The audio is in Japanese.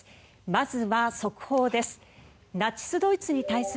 まずは速報です。